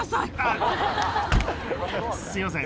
すみません。